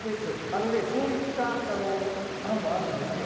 あのね、そういった案もあるんですよ。